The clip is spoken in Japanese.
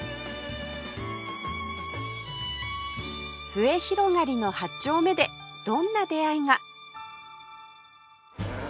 末広がりの８丁目でどんな出会いが？